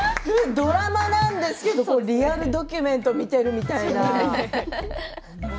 ドラマなんですけれどリアルドキュメントを見ているみたいな。